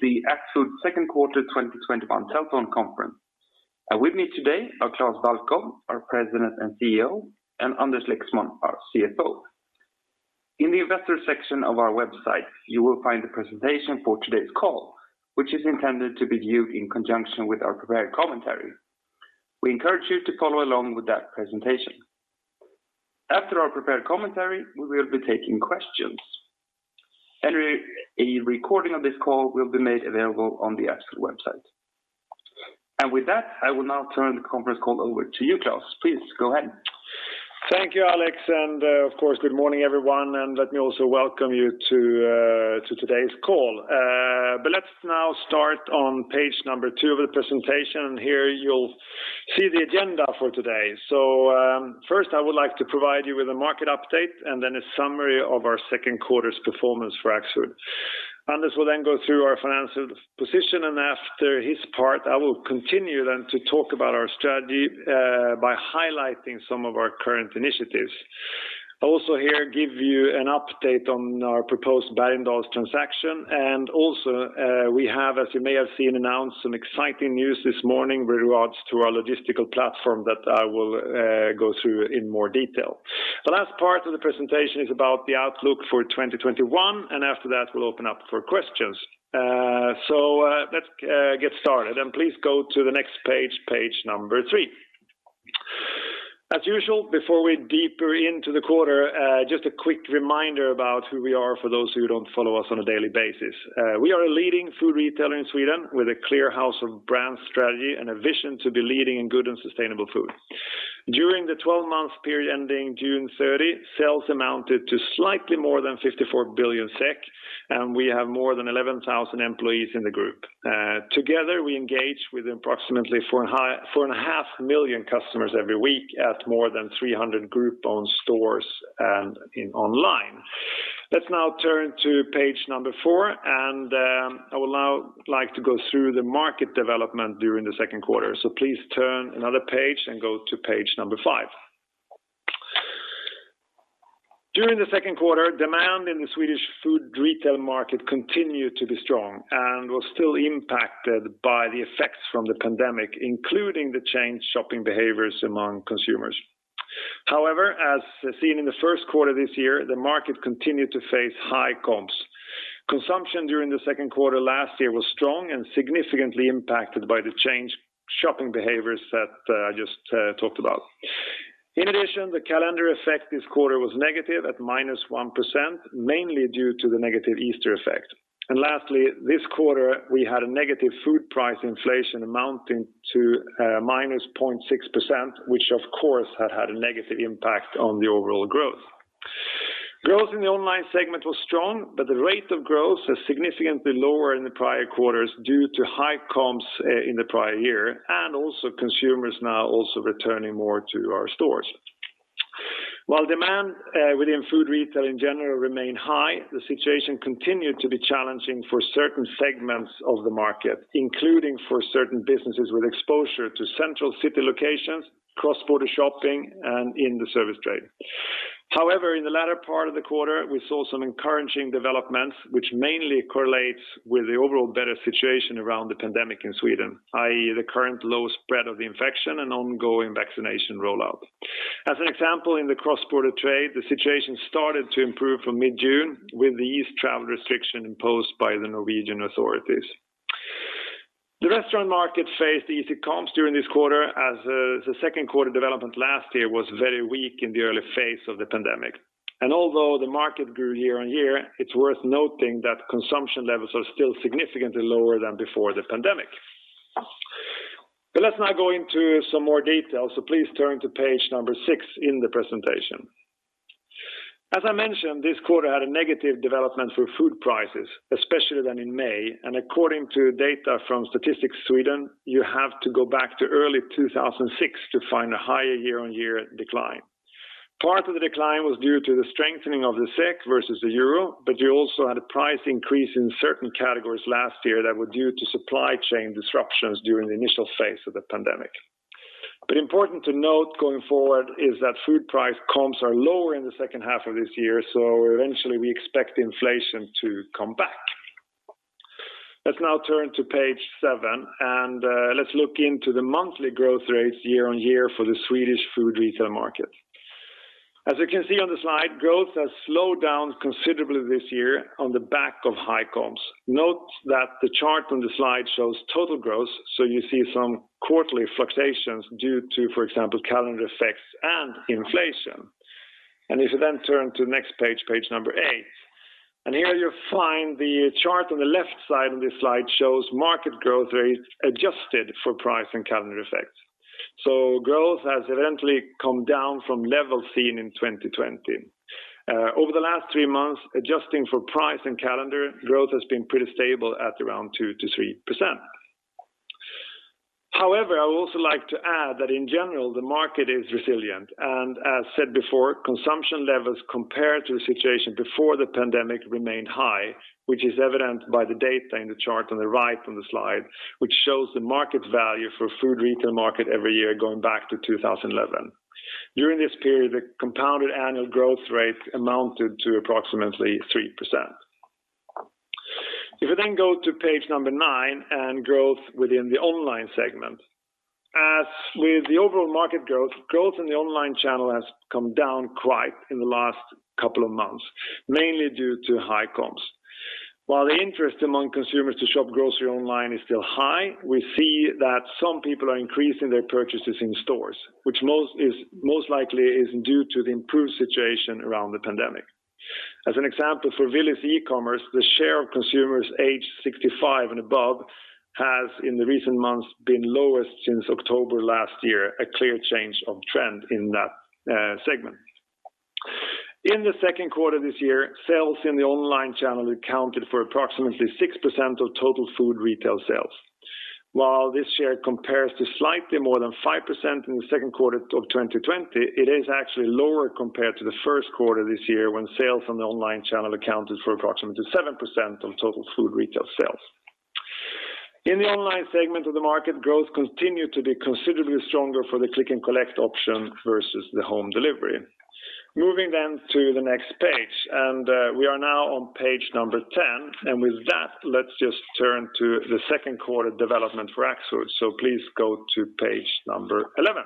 This is the Axfood second quarter 2021 telephone conference. With me today are Klas Balkow, our President and CEO, and Anders Lexmon, our CFO. In the investor section of our website, you will find the presentation for today's call, which is intended to be viewed in conjunction with our prepared commentary. We encourage you to follow along with that presentation. After our prepared commentary, we will be taking questions, and a recording of this call will be made available on the Axfood website. With that, I will now turn the conference call over to you, Klas. Please go ahead. Thank you, Alex, and of course, good morning, everyone, and let me also welcome you to today's call. Let's now start on page number two of the presentation, and here you'll see the agenda for today. First, I would like to provide you with a market update and then a summary of our second quarter's performance for Axfood. Anders will then go through our financial position, and after his part, I will continue then to talk about our strategy by highlighting some of our current initiatives. Here, give you an update on our proposed Bergendahl transaction, and also we have, as you may have seen, announced some exciting news this morning with regards to our logistical platform that I will go through in more detail. The last part of the presentation is about the outlook for 2021, and after that, we'll open up for questions. Let's get started, and please go to the next page number three. As usual, before we're deeper into the quarter, just a quick reminder about who we are for those who don't follow us on a daily basis. We are a leading food retailer in Sweden with a clear house of brand strategy and a vision to be leading in good and sustainable food. During the 12 months period ending June 30, sales amounted to slightly more than 54 billion SEK, and we have more than 11,000 employees in the group. Together, we engage with approximately 4.5 million customers every week at more than 300 group-owned stores and online. Let's now turn to page number four, and I would now like to go through the market development during the second quarter. Please turn another page and go to page number five. During the second quarter, demand in the Swedish food retail market continued to be strong and was still impacted by the effects from the pandemic, including the changed shopping behaviors among consumers. However, as seen in the first quarter of this year, the market continued to face high comps. Consumption during the second quarter last year was strong and significantly impacted by the changed shopping behaviors that I just talked about. The calendar effect this quarter was negative at -1%, mainly due to the negative Easter effect. Lastly, this quarter, we had a negative food price inflation amounting to -0.6%, which of course had a negative impact on the overall growth. Growth in the online segment was strong, but the rate of growth was significantly lower in the prior quarters due to high comps in the prior year, and also consumers now also returning more to our stores. While demand within food retail in general remained high, the situation continued to be challenging for certain segments of the market, including for certain businesses with exposure to central city locations, cross-border shopping, and in the service trade. However, in the latter part of the quarter, we saw some encouraging developments, which mainly correlates with the overall better situation around the pandemic in Sweden, i.e., the current low spread of the infection and ongoing vaccination rollout. As an example, in the cross-border trade, the situation started to improve from mid-June with the eased travel restriction imposed by the Norwegian authorities. The restaurant market faced easy comps during this quarter as the second quarter development last year was very weak in the early phase of the pandemic. Although the market grew year-on-year, it's worth noting that consumption levels are still significantly lower than before the pandemic. Let's now go into some more detail, so please turn to page number six in the presentation. As I mentioned, this quarter had a negative development for food prices, especially then in May, and according to data from Statistics Sweden, you have to go back to early 2006 to find a higher year-on-year decline. Part of the decline was due to the strengthening of the SEK versus the euro, but you also had a price increase in certain categories last year that were due to supply chain disruptions during the initial phase of the pandemic. Important to note going forward is that food price comps are lower in the second half of this year, so eventually we expect inflation to come back. Let's now turn to page seven, and let's look into the monthly growth rates year-on-year for the Swedish food retail market. As you can see on the slide, growth has slowed down considerably this year on the back of high comps. Note that the chart on the slide shows total growth, so you see some quarterly fluctuations due to, for example, calendar effects and inflation. If you then turn to the next page eight. Here you'll find the chart on the left side of this slide shows market growth rates adjusted for price and calendar effects. Growth has eventually come down from levels seen in 2020. Over the last three months, adjusting for price and calendar, growth has been pretty stable at around 2%-3%. However, I would also like to add that in general, the market is resilient, and as said before, consumption levels compared to the situation before the pandemic remain high, which is evident by the data in the chart on the right on the slide, which shows the market value for food retail market every year going back to 2011. During this period, the compounded annual growth rates amounted to approximately 3%. If you then go to page number nine and growth within the online segment. As with the overall market growth in the online channel has come down quite in the last couple of months, mainly due to high comps. While interest among consumers to shop grocery online is still high, we see that some people are increasing their purchases in stores, which most likely is due to the improved situation around the pandemic. As an example, for Willys e-commerce, the share of consumers aged 65 and above has in the recent months been lowest since October last year, a clear change of trend in that segment. In the second quarter this year, sales in the online channel accounted for approximately 6% of total food retail sales. While this share compares to slightly more than 5% in the second quarter of 2020, it is actually lower compared to the first quarter of this year when sales on the online channel accounted for approximately 7% of total food retail sales. In the online segment of the market, growth continued to be considerably stronger for the click and collect option versus the home delivery. Moving to the next page, we are now on page number 10, with that, let's just turn to the second quarter development for Axfood. Please go to page number 11.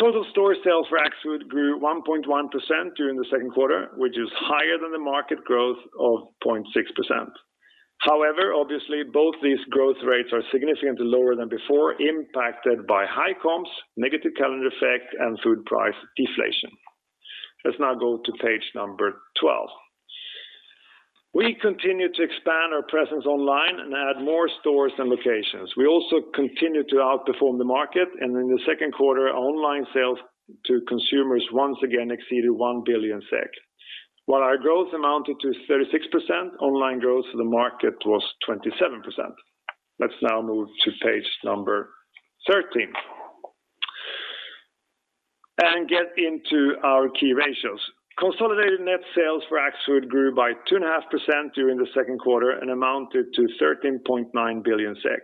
Total store sales for Axfood grew 1.1% during the second quarter, which is higher than the market growth of 0.6%. Obviously, both these growth rates are significantly lower than before, impacted by high comps, negative calendar effect, and food price deflation. Let's now go to page number 12. We continue to expand our presence online and add more stores and locations. We also continue to outperform the market, in the second quarter, online sales to consumers once again exceeded 1 billion SEK. While our growth amounted to 36%, online growth for the market was 27%. Let's now move to page 13 and get into our key ratios. Consolidated net sales for Axfood grew by 2.5% during the second quarter and amounted to 13.9 billion SEK.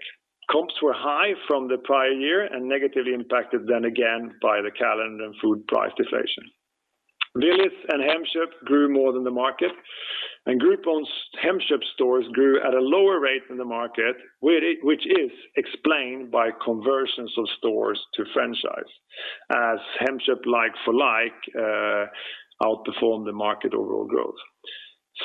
Comps were high from the prior year and negatively impacted then again by the calendar and food price deflation. Willys and Hemköp grew more than the market. Group owned Hemköp stores grew at a lower rate than the market, which is explained by conversions of stores to franchise as Hemköp like-for-like outperformed the market overall growth.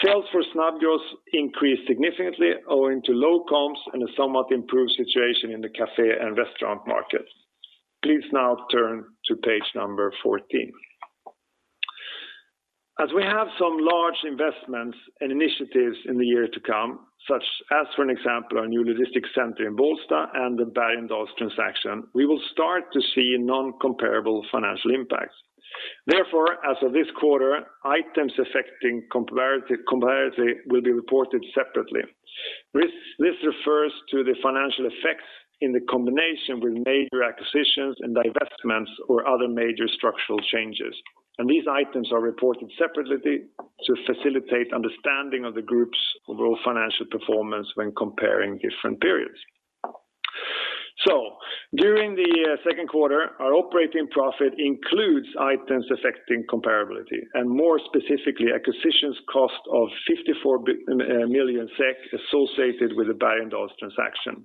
Sales for Snabbgross increased significantly owing to low comps and a somewhat improved situation in the cafe and restaurant market. Please now turn to page 14. As we have some large investments and initiatives in the year to come, such as, for an example, our new logistics center in Bålsta and the Bergendahls transaction, we will start to see non-comparable financial impacts. As of this quarter, items affecting comparability will be reported separately. This refers to the financial effects in the combination with major acquisitions and divestments or other major structural changes. These items are reported separately to facilitate understanding of the group's overall financial performance when comparing different periods. During the second quarter, our operating profit includes items affecting comparability and more specifically, acquisitions cost of 54 million SEK associated with the Bergendahls transaction.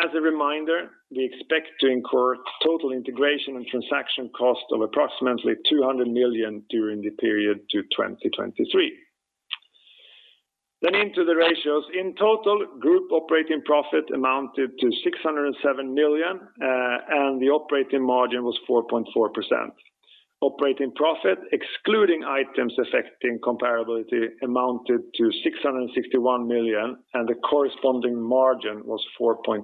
As a reminder, we expect to incur total integration and transaction cost of approximately 200 million during the period to 2023. Into the ratios. In total, group operating profit amounted to 607 million, and the operating margin was 4.4%. Operating profit, excluding items affecting comparability, amounted to 661 million, and the corresponding margin was 4.8%.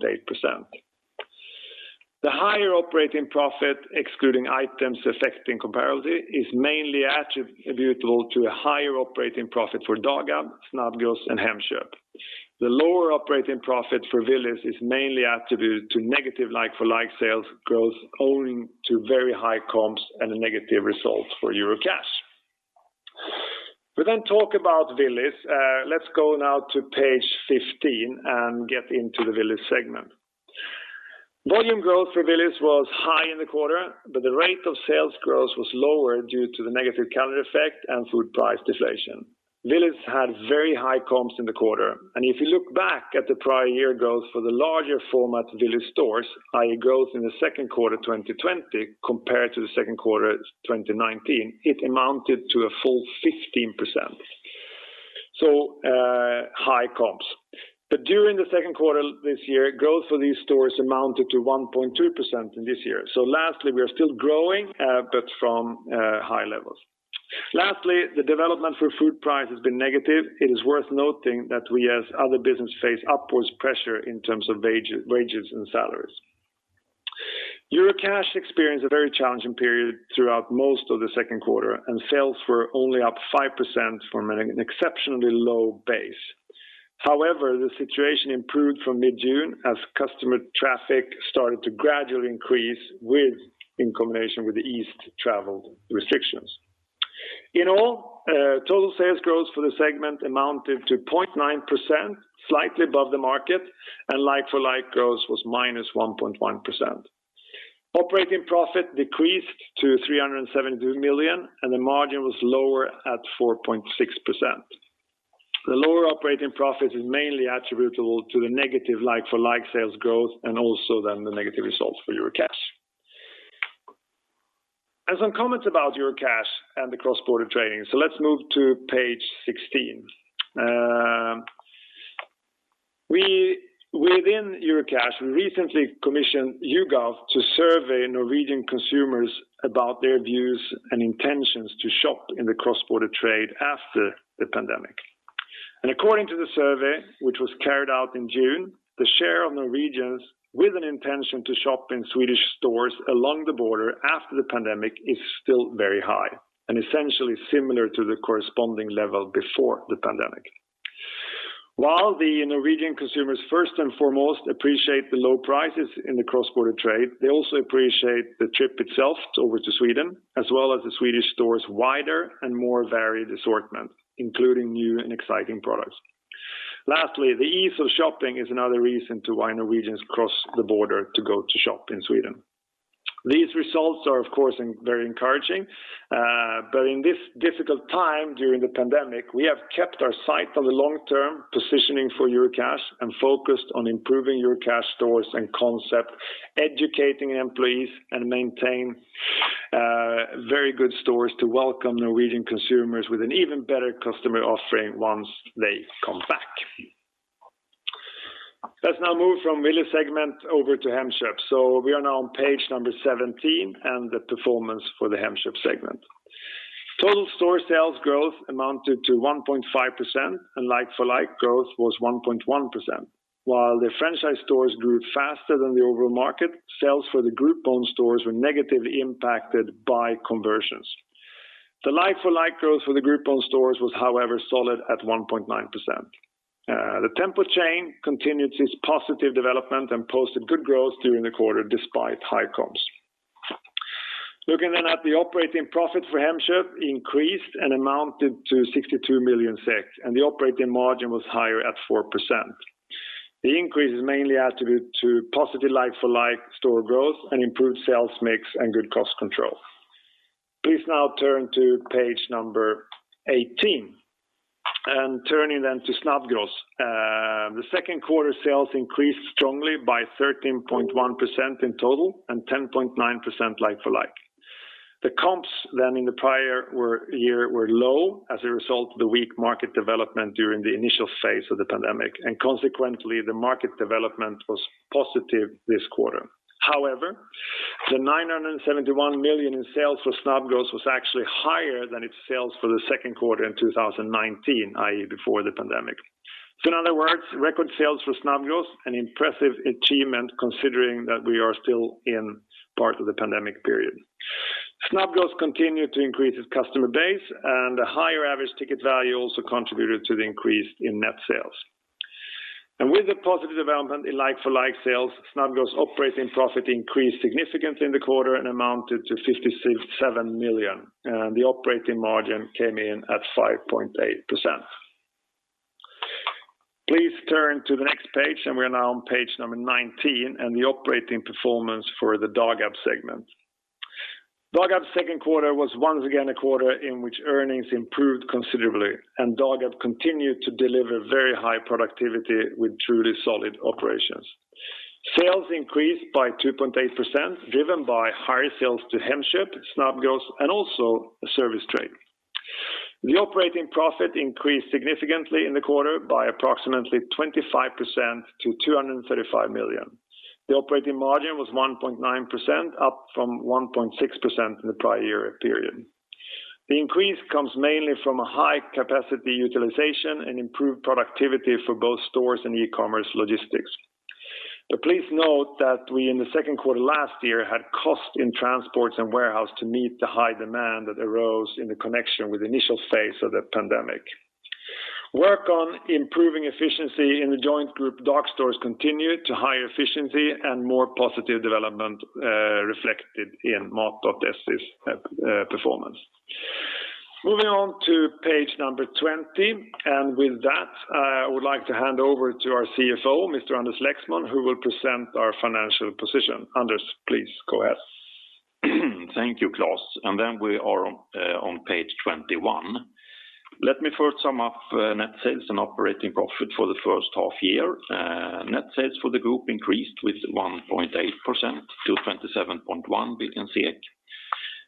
The higher operating profit, excluding items affecting comparability, is mainly attributable to the higher operating profit for Dagab, Snabbgross and Hemköp. The lower operating profit for Willys is mainly attributed to negative like-for-like sales growth owing to very high comps and a negative result for Eurocash. We talk about Willys. Let's go now to page 15 and get into the Willys segment. Volume growth for Willys was high in the quarter, but the rate of sales growth was lower due to the negative calendar effect and food price deflation. Willys had very high comps in the quarter. If you look back at the prior year growth for the larger format Willys stores, i.e. growth in the second quarter 2020 compared to the second quarter 2019, it amounted to a full 15%. High comps. During the second quarter this year, growth for these stores amounted to 1.2% in this year. Lastly, we are still growing, but from high levels. The development for food price has been negative. It is worth noting that we, as other business, face upwards pressure in terms of wages and salaries. Eurocash experienced a very challenging period throughout most of the second quarter, and sales were only up 5% from an exceptionally low base. The situation improved from mid-June as customer traffic started to gradually increase in combination with the eased travel restrictions. Total sales growth for the segment amounted to 0.9%, slightly above the market, and like-for-like growth was -1.1%. Operating profit decreased to 372 million, and the margin was lower at 4.6%. The lower operating profit is mainly attributable to the negative like-for-like sales growth and also then the negative results for Eurocash. Some comments about Eurocash and the cross-border trading. Let's move to page 16. Within Eurocash, we recently commissioned YouGov to survey Norwegian consumers about their views and intentions to shop in the cross-border trade after the pandemic. According to the survey, which was carried out in June, the share of Norwegians with an intention to shop in Swedish stores along the border after the pandemic is still very high and essentially similar to the corresponding level before the pandemic. While the Norwegian consumers first and foremost appreciate the low prices in the cross-border trade, they also appreciate the trip itself over to Sweden, as well as the Swedish stores' wider and more varied assortment, including new and exciting products. Lastly, the ease of shopping is another reason to why Norwegians cross the border to go to shop in Sweden. These results are, of course, very encouraging. In this difficult time during the pandemic, we have kept our sight on the long-term positioning for Eurocash and focused on improving Eurocash stores and concept, educating employees, and maintain very good stores to welcome Norwegian consumers with an even better customer offering once they come back. Let's now move from Willys segment over to Hemköp. We are now on page number 17 and the performance for the Hemköp segment. Total store sales growth amounted to 1.5% and like-for-like growth was 1.1%. While the franchise stores grew faster than the overall market, sales for the group-owned stores were negatively impacted by conversions. The like-for-like growth for the group-owned stores was, however, solid at 1.9%. The Tempo chain continued its positive development and posted good growth during the quarter despite high comps. Looking at the operating profit for Hemköp increased and amounted to 62 million SEK, and the operating margin was higher at 4%. The increase is mainly attributed to positive like-for-like store growth and improved sales mix and good cost control. Please now turn to page number 18. Turning to Snabbgross. The second quarter sales increased strongly by 13.1% in total and 10.9% like-for-like. The comps in the prior year were low as a result of the weak market development during the initial phase of the pandemic, and consequently, the market development was positive this quarter. However, the 971 million in sales for Snabbgross was actually higher than its sales for the second quarter in 2019, i.e., before the pandemic. In other words, record sales for Snabbgross, an impressive achievement considering that we are still in part of the pandemic period. Snabbgross continued to increase its customer base, and the higher average ticket value also contributed to the increase in net sales. With the positive development in like-for-like sales, Snabbgross operating profit increased significantly in the quarter and amounted to 57 million, and the operating margin came in at 5.8%. Please turn to the next page, and we're now on page number 19, and the operating performance for the Dagab segment. Dagab's second quarter was once again a quarter in which earnings improved considerably, and Dagab continued to deliver very high productivity with truly solid operations. Sales increased by 2.8%, driven by higher sales to Hemköp, Snabbgross, and also service trade. The operating profit increased significantly in the quarter by approximately 25% to 235 million. The operating margin was 1.9%, up from 1.6% in the prior year period. The increase comes mainly from a high capacity utilization and improved productivity for both stores and e-commerce logistics. Please note that we in the second quarter last year had cost in transports and warehouse to meet the high demand that arose in connection with initial phase of the pandemic. Work on improving efficiency in the joint group dark stores continued to higher efficiency and more positive development reflected in Mat.se's performance. Moving on to page number 20, with that, I would like to hand over to our CFO, Mr. Anders Lexmon, who will present our financial position. Anders, please go ahead. Thank you, Klas. We are on page 21. Let me first sum up net sales and operating profit for the first half year. Net sales for the group increased with 1.8% to 27.1 billion SEK.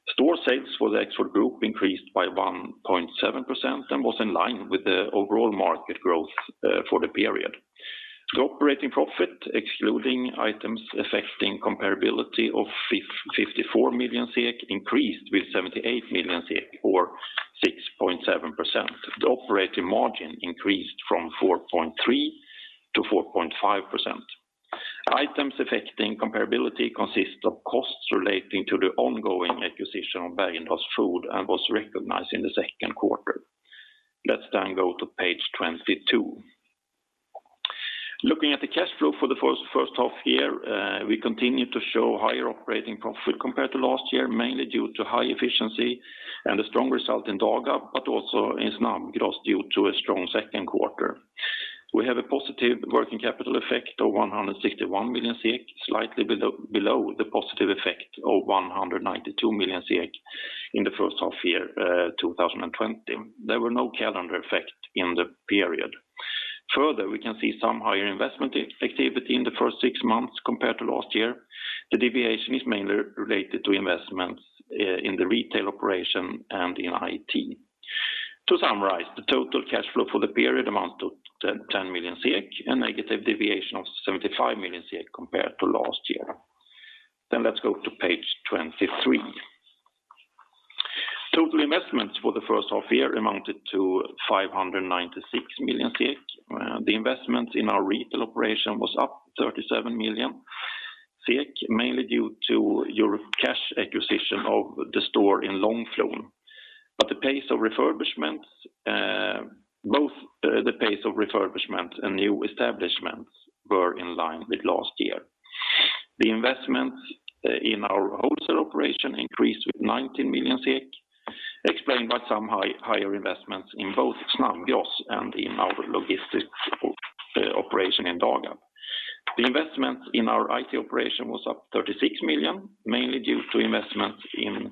Store sales for the Axfood group increased by 1.7% and was in line with the overall market growth for the period. The operating profit, excluding items affecting comparability of 54 million, increased with 78 million or 6.7%. The operating margin increased from 4.3% to 4.5%. Items affecting comparability consist of costs relating to the ongoing acquisition of Bergendahls Food and was recognized in the second quarter. Let's go to page 22. Looking at the cash flow for the first half year, we continue to show higher operating profit compared to last year, mainly due to high efficiency and a strong result in Dagab, but also in Snabbgross due to a strong second quarter. We have a positive working capital effect of 161 million SEK, slightly below the positive effect of 192 million SEK in the first half year 2020. There were no calendar effects in the period. We can see some higher investment activity in the first 6 months compared to last year. The deviation is mainly related to investments in the retail operation and in IT. To summarize, the total cash flow for the period amounted to 10 million SEK, a negative deviation of 75 million SEK compared to last year. Let's go to page 23. Total investments for the first half year amounted to 596 million. The investment in our retail operation was up 37 million, mainly due to Eurocash acquisition of the store in Långflon. Both the pace of refurbishment and new establishments were in line with last year. The investments in our wholesale operation increased with 90 million SEK, explained by some higher investments in both Snabbgross and in our logistics operation in Dagab. The investment in our IT operation was up 36 million, mainly due to investments in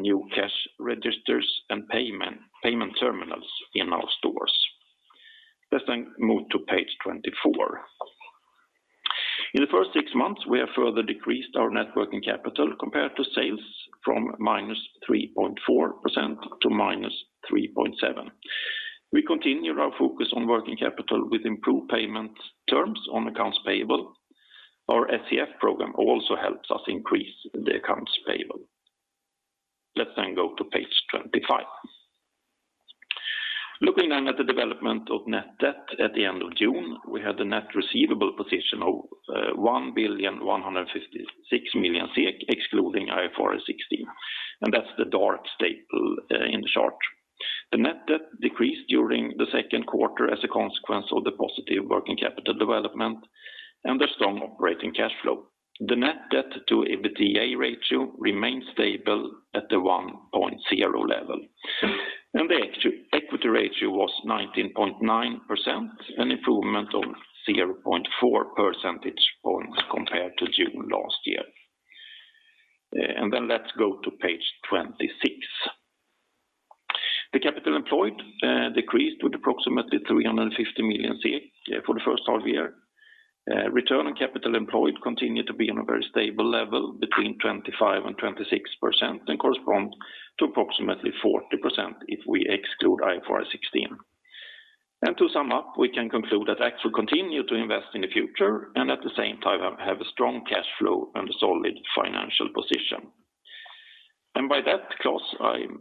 new cash registers and payment terminals in our stores. Let's then move to page 24. In the first six months, we have further decreased our net working capital compared to sales from -3.4% to -3.7%. We continued our focus on working capital with improved payment terms on accounts payable. Our SCF program also helps us increase the accounts payable. Let's go to page 25. Looking at the development of net debt at the end of June, we had a net receivable position of 1,156 million SEK, excluding IFRS 16, and that's the dark staple in the chart. The net debt decreased during the second quarter as a consequence of the positive working capital development and the strong operating cash flow. The net debt to EBITDA ratio remained stable at the 1.0 level. The equity ratio was 19.9%, an improvement of 0.4 percentage points compared to June last year. Then let's go to page 26. The capital employed decreased to approximately 350 million for the first half year. Return on capital employed continued to be on a very stable level between 25% and 26%, and corresponds to approximately 40% if we exclude IFRS 16. To sum up, we can conclude that Axfood continue to invest in the future and at the same time have a strong cash flow and solid financial position. By that, Klas, I'm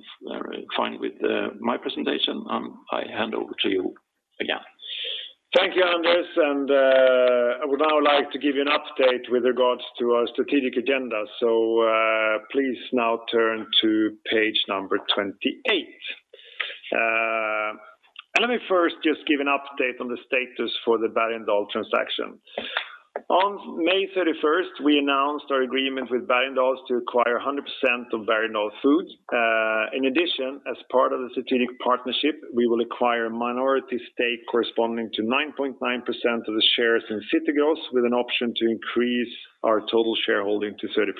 fine with my presentation. I hand over to you again. Thank you, Anders. I would now like to give you an update with regards to our strategic agenda. Please now turn to page number 28. Let me first just give an update on the status for the Bergendahl transaction. On May 31st, we announced our agreement with Bergendahls to acquire 100% of Bergendahl Food. In addition, as part of the strategic partnership, we will acquire a minority stake corresponding to 9.9% of the shares in City Gross with an option to increase our total shareholding to 30%.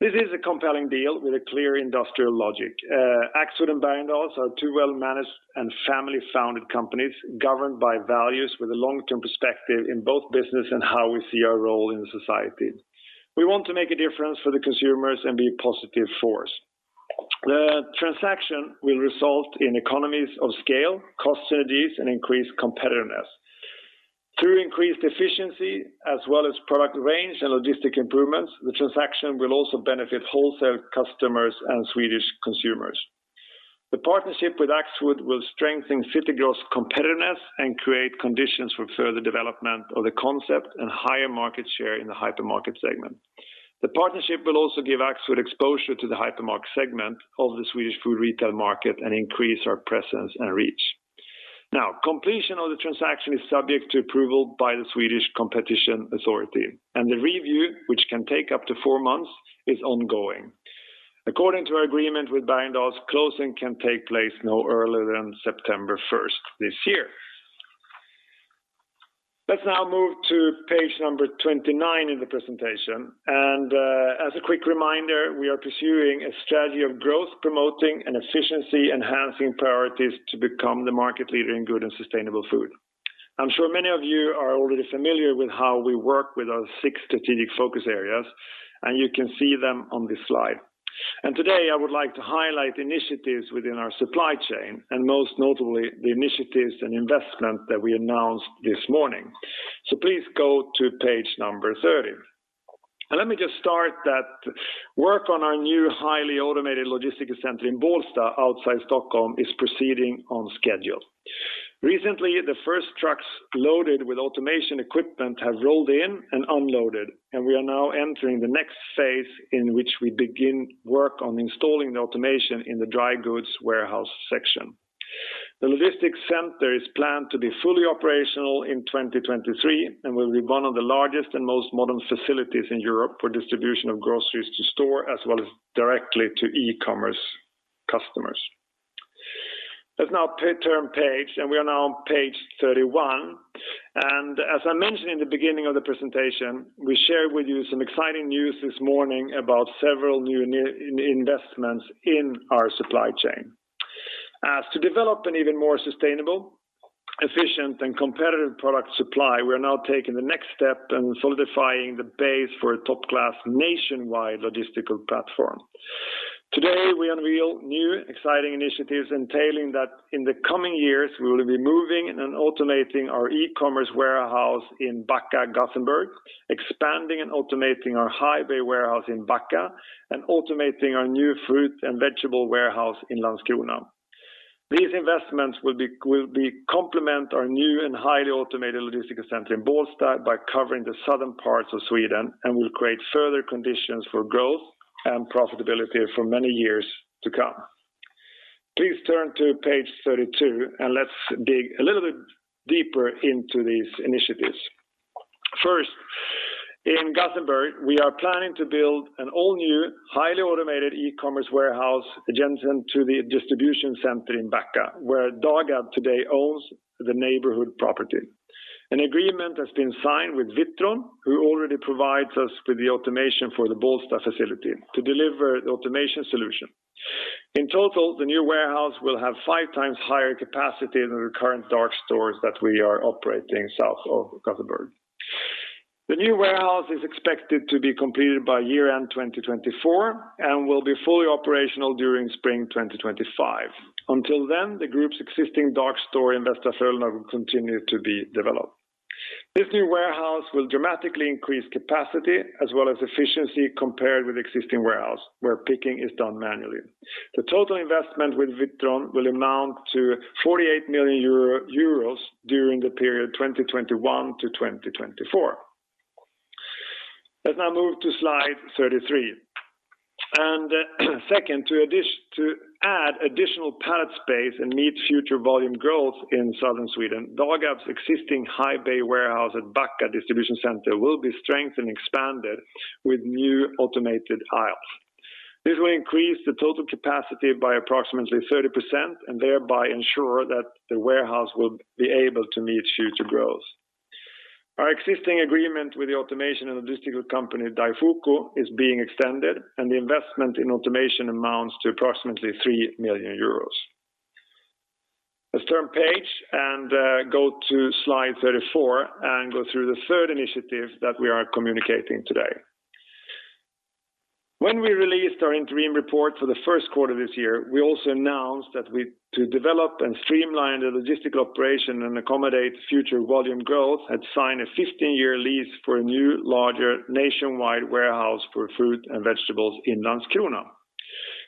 This is a compelling deal with a clear industrial logic. Axfood and Bergendahls are two well-managed and family-founded companies governed by values with a long-term perspective in both business and how we see our role in society. We want to make a difference for the consumers and be a positive force. The transaction will result in economies of scale, cost synergies, and increased competitiveness. Through increased efficiency as well as product range and logistics improvements, the transaction will also benefit wholesale customers and Swedish consumers. The partnership with Axfood will strengthen City Gross' competitiveness and create conditions for further development of the concept and higher market share in the hypermarket segment. The partnership will also give Axfood exposure to the hypermarket segment of the Swedish food retail market and increase our presence and reach. Completion of the transaction is subject to approval by the Swedish Competition Authority, and the review, which can take up to four months, is ongoing. According to our agreement with Bergendahls, closing can take place no earlier than September 1st this year. Let's now move to page number 29 in the presentation. As a quick reminder, we are pursuing a strategy of growth-promoting and efficiency-enhancing priorities to become the market leader in good and sustainable food. I'm sure many of you are already familiar with how we work with our six strategic focus areas, and you can see them on this slide. Today, I would like to highlight initiatives within our supply chain, and most notably the initiatives and investment that we announced this morning. Please go to page number 30. Let me just start that work on our new highly automated logistics center in Bålsta outside Stockholm is proceeding on schedule. Recently, the first trucks loaded with automation equipment have rolled in and unloaded, and we are now entering the next phase in which we begin work on installing the automation in the dry goods warehouse section. The logistics center is planned to be fully operational in 2023 and will be one of the largest and most modern facilities in Europe for distribution of groceries to store as well as directly to e-commerce customers. Let's now turn page, we're now on page 31. As I mentioned in the beginning of the presentation, we shared with you some exciting news this morning about several new investments in our supply chain. As to develop an even more sustainable, efficient, and competitive product supply, we're now taking the next step and solidifying the base for a top-class nationwide logistical platform. Today, we unveil new exciting initiatives entailing that in the coming years, we will be moving and automating our e-commerce warehouse in Backa, Gothenburg, expanding and automating our high-bay warehouse in Backa, and automating our new fruit and vegetable warehouse in Landskrona. These investments will complement our new and highly automated logistical center in Bålsta by covering the southern parts of Sweden and will create further conditions for growth and profitability for many years to come. Please turn to page 32, and let's dig a little bit deeper into these initiatives. First, in Gothenburg, we are planning to build an all-new, highly automated e-commerce warehouse adjacent to the distribution center in Backa, where Dagab today owns the neighborhood property. An agreement has been signed with Witron, who already provides us with the automation for the Bålsta facility to deliver an automation solution. In total, the new warehouse will have 5x higher capacity than the current dark stores that we are operating south of Gothenburg. The new warehouse is expected to be completed by year-end 2024 and will be fully operational during spring 2025. Until then, the group's existing dark store in Västerås will continue to be developed. This new warehouse will dramatically increase capacity as well as efficiency compared with existing warehouse, where picking is done manually. The total investment with Witron will amount to 48 million euro during the period 2021 to 2024. Let's now move to slide 33. Second, to add additional pallet space and meet future volume growth in southern Sweden, Dagab's existing high-bay warehouse at Backa distribution center will be strengthened, expanded with new automated aisles. This will increase the total capacity by approximately 30% and thereby ensure that the warehouse will be able to meet future growth. Our existing agreement with the automation and logistical company Daifuku is being extended, and the investment in automation amounts to approximately 3 million euros. Let's turn page and go to slide 34 and go through the third initiative that we are communicating today. When we released our interim report for the first quarter this year, we also announced that to develop and streamline the logistical operation and accommodate future volume growth had signed a 15-year lease for a new, larger nationwide warehouse for fruit and vegetables in Landskrona.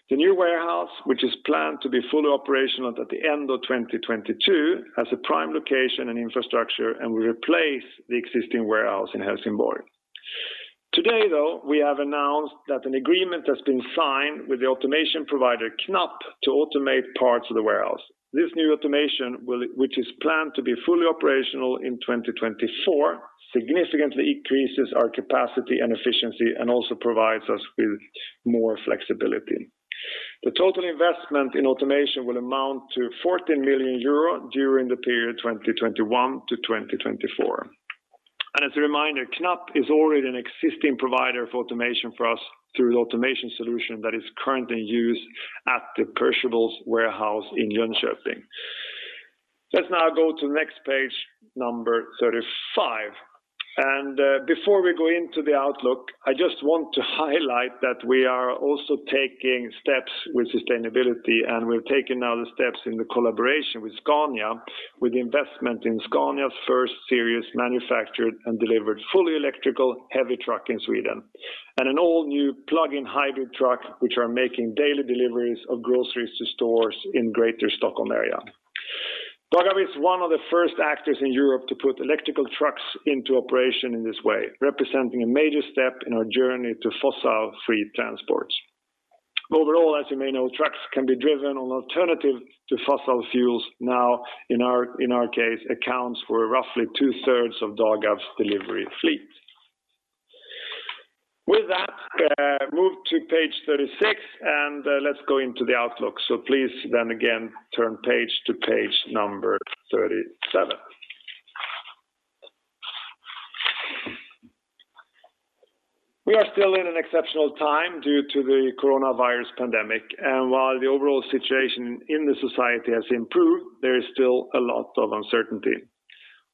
The new warehouse, which is planned to be fully operational at the end of 2022, has a prime location and infrastructure and will replace the existing warehouse in Helsingborg. Today, though, we have announced that an agreement has been signed with the automation provider KNAPP to automate parts of the warehouse. This new automation, which is planned to be fully operational in 2024, significantly increases our capacity and efficiency and also provides us with more flexibility. The total investment in automation will amount to 14 million euro during the period 2021 to 2024. As a reminder, KNAPP is already an existing provider of automation for us through the automation solution that is currently used at the perishables warehouse in Jönköping. Let's now go to the next page, number 35. Before we go into the outlook, I just want to highlight that we are also taking steps with sustainability, and we're taking now the steps in the collaboration with Scania, with the investment in Scania's first series manufactured and delivered fully electrical heavy truck in Sweden and an all-new plug-in hybrid truck, which are making daily deliveries of groceries to stores in greater Stockholm area. Dagab is one of the first actors in Europe to put electrical trucks into operation in this way, representing a major step in our journey to fossil-free transports. Overall, as you may know, trucks can be driven on alternative to fossil fuels now, in our case, accounts for roughly two-thirds of Dagab's delivery fleet. With that, move to page 36, and let's go into the outlook. Please, then again, turn page to page number 37. We are still in an exceptional time due to the coronavirus pandemic, and while the overall situation in the society has improved, there is still a lot of uncertainty.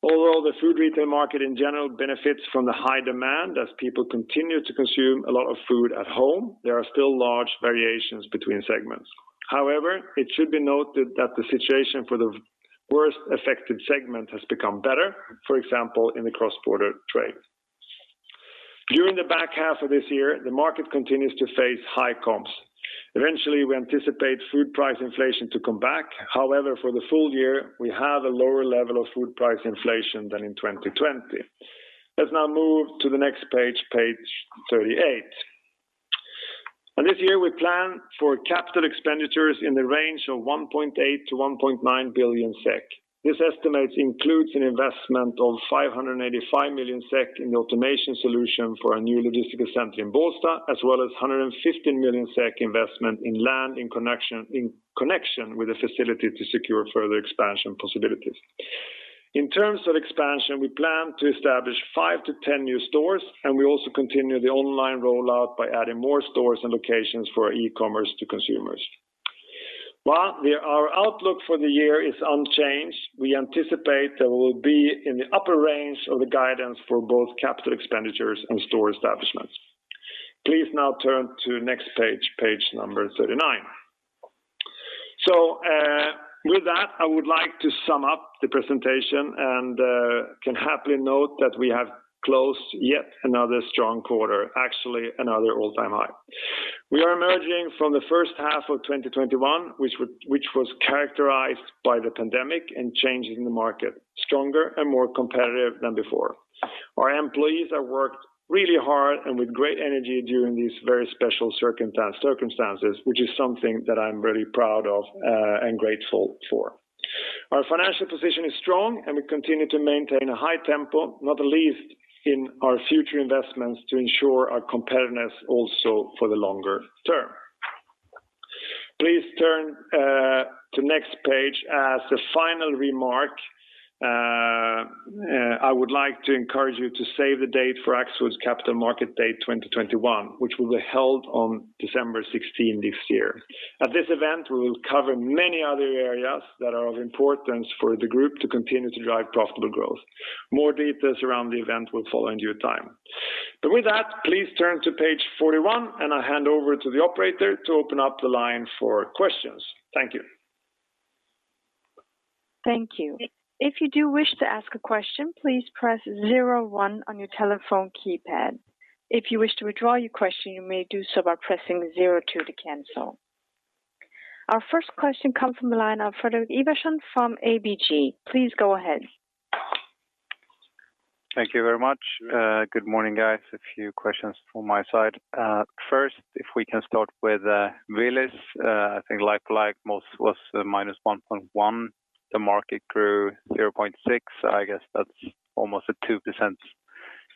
Although the food retail market in general benefits from the high demand as people continue to consume a lot of food at home, there are still large variations between segments. However, it should be noted that the situation for the worst affected segment has become better, for example, in the cross-border trade. During the back half of this year, the market continues to face high comps. Eventually, we anticipate food price inflation to come back. However, for the full year, we have a lower level of food price inflation than in 2020. Let's now move to the next page 38. This year we plan for capital expenditures in the range of 1.8 billion-1.9 billion SEK. This estimate includes an investment of 585 million SEK in automation solution for our new logistics center in Bålsta, as well as 150 million SEK investment in land in connection with a facility to secure further expansion possibilities. In terms of expansion, we plan to establish 5 to 10 new stores, and we also continue the online rollout by adding more stores and locations for our e-commerce to consumers. Our outlook for the year is unchanged. We anticipate that we'll be in the upper range of the guidance for both capital expenditures and store establishments. Please now turn to next page number 39. With that, I would like to sum up the presentation and can happily note that we have closed yet another strong quarter, actually another all-time high. We are emerging from the first half of 2021, which was characterized by the pandemic and changing the market stronger and more competitive than before. Our employees have worked really hard and with great energy during these very special circumstances, which is something that I'm very proud of and grateful for. Our financial position is strong, and we continue to maintain a high tempo, not the least in our future investments to ensure our competitiveness also for the longer term. Please turn to next page as the final remark, I would like to encourage you to save the date for Axfood's Capital Markets Day 2021, which will be held on December 16 this year. At this event, we will cover many other areas that are of importance for the group to continue to drive profitable growth. More details around the event will follow in due time. With that, please turn to page 41, and I will hand over to the operator to open up the line for questions. Thank you. Thank you. If you do wish to ask a question, please press zero one on your telephone keypad. If you wish to withdraw your question, you may do so by pressing zero two to cancel. Our first question comes from the line of Fredrik Ivarsson from ABG. Please go ahead. Thank you very much. Good morning, guys. A few questions from my side. First, if we can start with Willys. I think like-for-like most was the -1.1%. The market grew 0.6%. I guess that's almost a 2%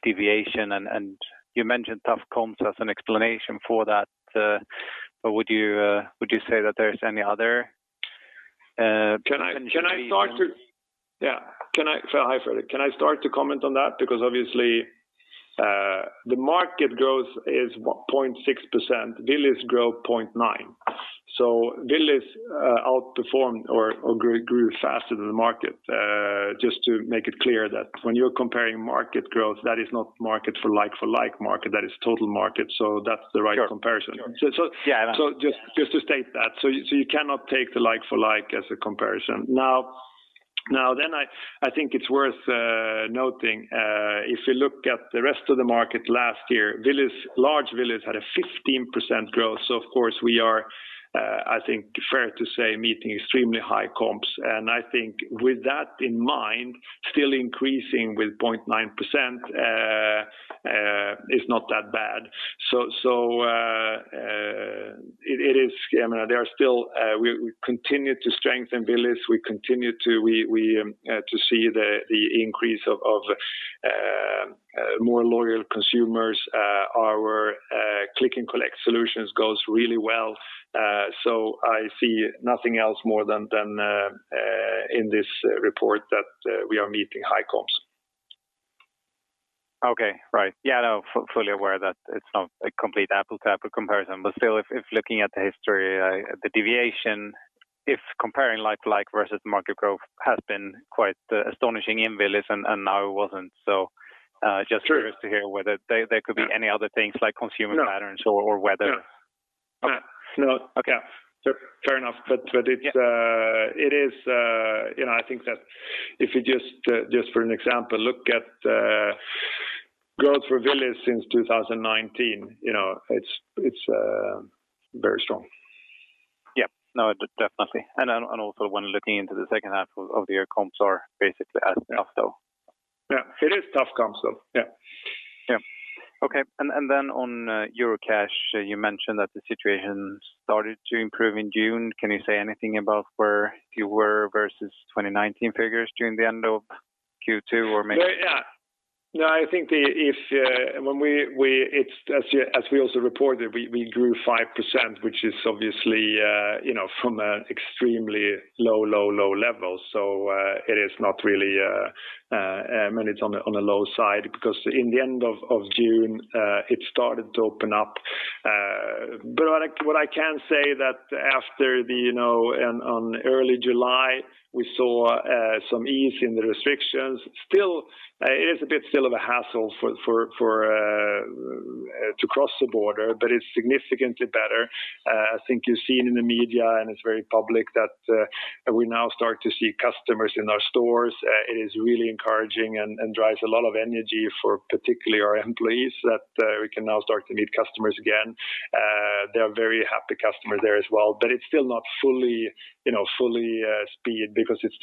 deviation, and you mentioned tough comps as an explanation for that, but would you say that there's any other potential? Hi, Fredrik. Can I start to comment on that? Obviously, the market growth is 0.6%. Willys grew 0.9%. Willys outperformed or grew faster than the market. Just to make it clear that when you're comparing market growth, that is not market for like-for-like market, that is total market, so that's the right comparison. Sure. Yeah. Just to state that. You cannot take the like-for-like as a comparison. Now, then I think it's worth noting, if you look at the rest of the market last year, large Willys had a 15% growth. Of course we are, I think fair to say, meeting extremely high comps, and I think with that in mind, still increasing with 0.9% is not that bad. We continue to strengthen Willys. We continue to see the increase of more loyal consumers. Our click and collect solutions goes really well. I see nothing else more than in this report that we are meeting high comps. Okay, right. Yeah, fully aware that it is not a complete apple-to-apple comparison. Still, if looking at the history, the deviation, if comparing like-for-like versus market growth has been quite astonishing in Willys, and now it was not. Just curious to hear whether there could be any other things like consumer patterns or weather. No. Okay. Fair enough. I think that if you just for an example, look at growth for Willys since 2019, it's very strong. Yeah. No, definitely. Also when looking into the second half of the year, comps are basically as tough, though. Yeah. It is tough comps, though. Yeah. Yeah. Okay, and then on Eurocash, you mentioned that the situation started to improve in June. Can you say anything about where you were versus 2019 figures during the end of Q2? Yeah. I think as we also reported, we grew 5%, which is obviously from an extremely low level. It's on the low side because in the end of June, it started to open up. What I can say that after in early July, we saw some ease in the restrictions. Still, it is a bit still of a hassle to cross the border, but it's significantly better. I think you've seen in the media, and it's very public that we now start to see customers in our stores. It is really encouraging and drives a lot of energy for particularly our employees that we can now start to meet customers again. They are very happy customers there as well. It's still not fully speed because it's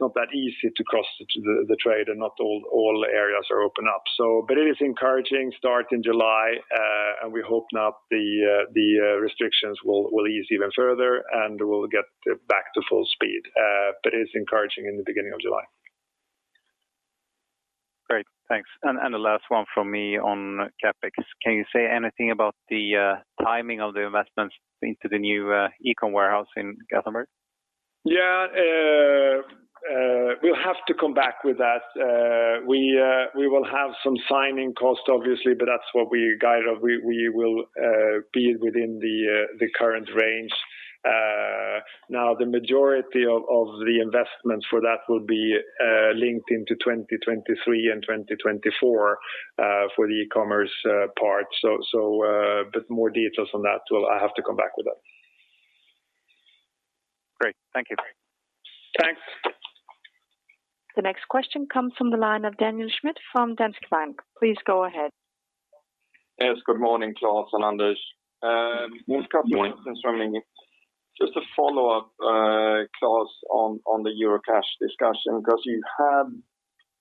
not that easy to cross the border and not all areas are open up. It is encouraging start in July, and we hope now the restrictions will ease even further, and we'll get back to full speed. It's encouraging in the beginning of July. Great. Thanks. The last one from me on CapEx. Can you say anything about the timing of the investments into the new eCom warehouse in Gothenburg? Yeah. We'll have to come back with that. We will have some signing costs, obviously, but that's what we guide on. We will be within the current range. Now, the majority of the investment for that will be linked into 2023 and 2024 for the e-commerce part. More details on that, I have to come back with that. Great. Thank you. Thanks. The next question comes from the line of Daniel Schmidt from Danske Bank. Please go ahead. Yes, good morning, Klas and Anders. Good morning. Just a follow-up, Klas, on the Eurocash discussion, because you have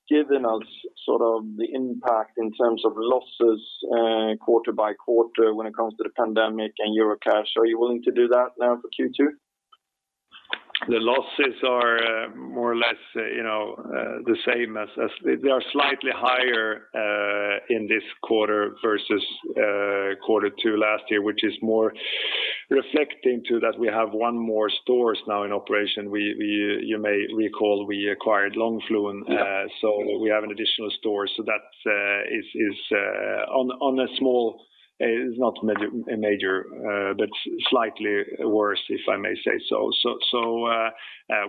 given us sort of the impact in terms of losses quarter by quarter when it comes to the pandemic and Eurocash. Are you willing to do that now for Q2? The losses are more or less the same. They are slightly higher in this quarter versus Q2 last year, which is more reflecting too that we have one more store now in operation. You may recall we acquired Långflon, we have an additional store. That is on a small, not major, but slightly worse, if I may say so.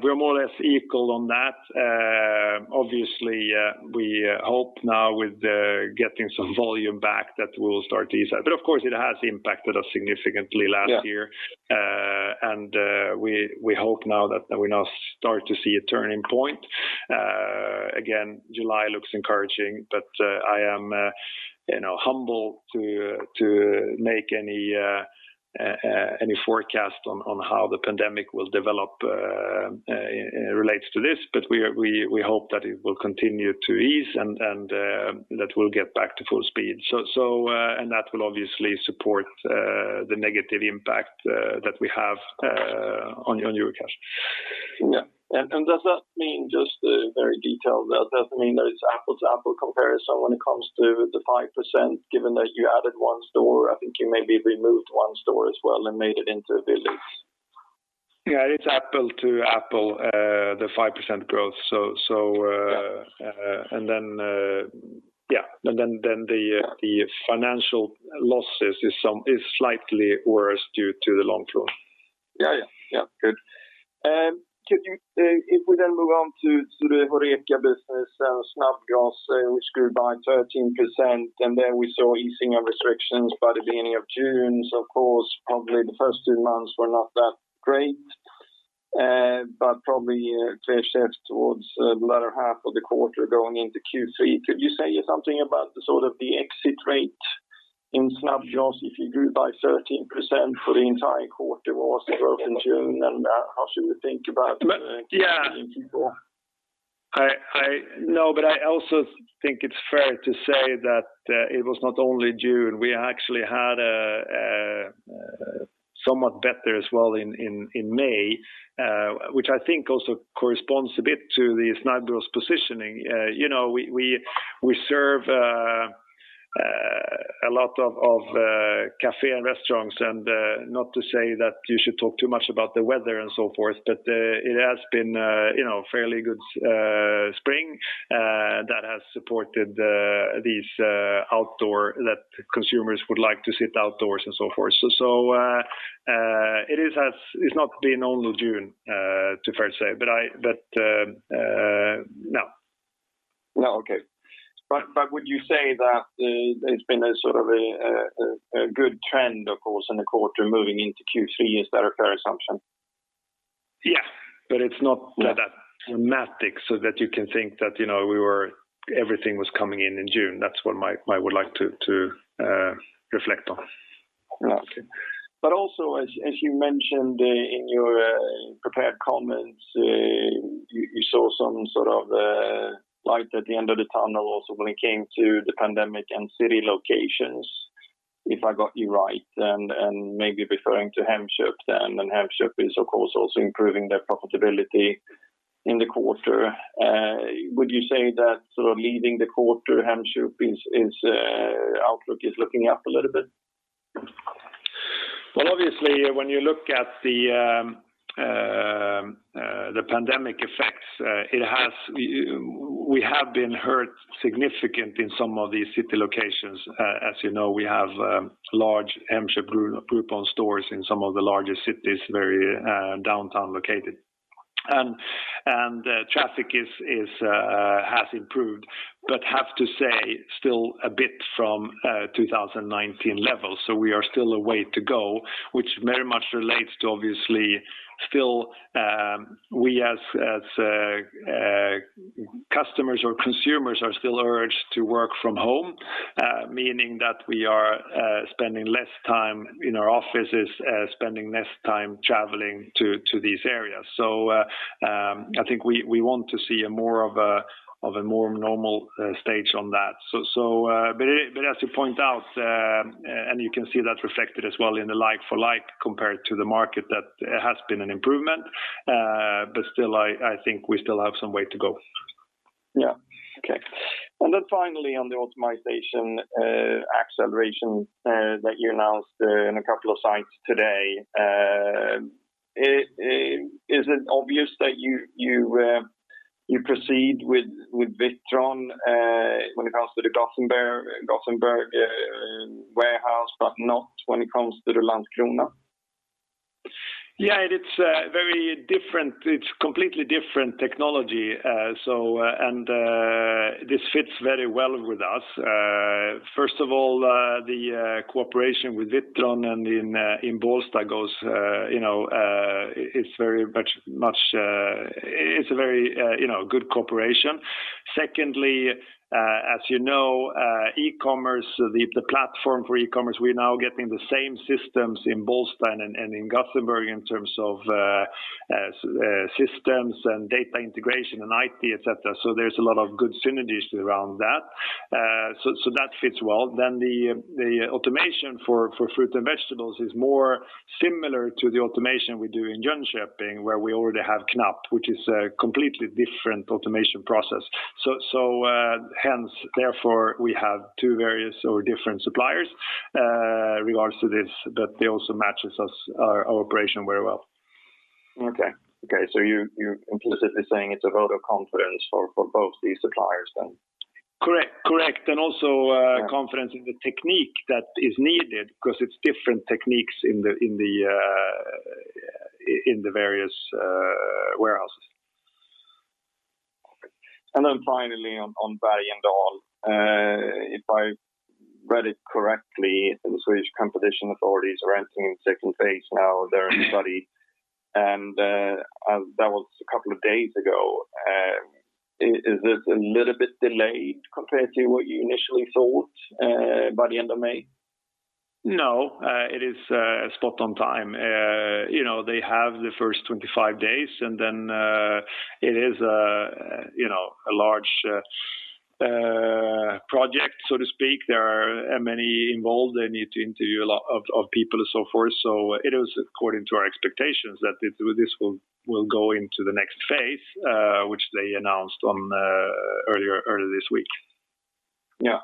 We're more or less equal on that. Obviously, we hope now with getting some volume back that we'll start to ease that. Of course, it has impacted us significantly last year. Yeah. We hope now that we start to see a turning point. Again, July looks encouraging, I am humble to make any forecast on how the pandemic will develop relates to this, we hope that it will continue to ease and that we'll get back to full speed. That will obviously support the negative impact that we have on Eurocash. Yeah. Does that mean just very detailed? Does that mean that it's apples-to-apple comparison when it comes to the 5%, given that you added one store? I think you maybe removed one store as well and made it into a Willys. Yeah, it's apple-to-apple the 5% growth. Yeah. Yeah. The financial losses is slightly worse due to the Långflon. Yeah. Good. We then move on to the HoReCa business, Snabbgross grew by 13%, and then we saw easing of restrictions by the beginning of June. Of course, probably the first two months were not that great, but probably shifted towards the latter half of the quarter going into Q3. Could you say something about the exit rate in Snabbgross if you grew by 13% for the entire quarter or sort of June and how should we think about going into Q4? I also think it's fair to say that it was not only June. We actually had somewhat better as well in May, which I think also corresponds a bit to the Snabbgross positioning. We serve a lot of cafe and restaurants, and not to say that you should talk too much about the weather and so forth, but it has been fairly good spring that has supported these outdoor, that consumers would like to sit outdoors and so forth. It's not been only June, to fair say. No. Would you say that there's been a sort of a good trend, of course, in the quarter moving into Q3? Is that a fair assumption? Yeah. It's not that dramatic so that you can think that everything was coming in in June. That's what I would like to reflect on. Okay. Also, as you mentioned in your prepared comments, you saw some sort of light at the end of the tunnel also when it came to the pandemic and city locations, if I got you right, and maybe referring to Hemköp then, and Hemköp is, of course, also improving their profitability in the quarter. Would you say that sort of leading the quarter, Hemköp's outlook is looking up a little bit? Well, obviously, when you look at the pandemic effects, we have been hurt significant in some of these city locations. As you know, we have large Hemköp group owned stores in some of the largest cities, very downtown located. Traffic has improved, but have to say, still a bit from 2019 levels. We are still a way to go, which very much relates to obviously still we as consumers are still urged to work from home, meaning that we are spending less time in our offices, spending less time traveling to these areas. I think we want to see more of a normal stage on that. As you point out, and you can see that reflected as well in the like-for-like compared to the market, that there has been an improvement. Still, I think we still have some way to go. Yeah. Okay. Finally on the optimization acceleration that you announced in two sites today, is it obvious that you proceed with Witron when it comes to the Gothenburg warehouse, but not when it comes to the Landskrona? Yeah, it's completely different technology, and this fits very well with us. First of all, the cooperation with Witron and in Bålsta is a very good cooperation. Secondly, as you know e-commerce, the platform for e-commerce, we're now getting the same systems in Bålsta and in Gothenburg in terms of systems and data integration and IT, et cetera. There's a lot of good synergies around that. That fits well. The automation for fruit and vegetables is more similar to the automation we do in Jönköping, where we already have KNAPP, which is a completely different automation process. Hence, therefore, we have two various or different suppliers regards to this, but they also match our operation very well. You're implicitly saying it's a vote of confidence for both these suppliers then? Correct. Also confidence in the technique that is needed because it is different techniques in the various warehouses. Okay. Finally on Bergendahls, if I read it correctly, the Swedish Competition Authority are entering the phase II now of their study, and that was a couple of days ago. Is this a little bit delayed compared to what you initially thought by the end of May? It is spot on time. They have the first 25 days, it is a large project, so to speak. There are many involved. They need to interview a lot of people and so forth. It is according to our expectations that this will go into the next phase, which they announced earlier this week. Yeah.